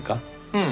うん。